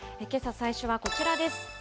最初はこちらです。